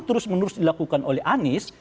terus menerus dilakukan oleh anies